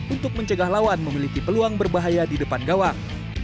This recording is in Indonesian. untuk mencegah lawan memiliki peluang berbahaya di depan gawang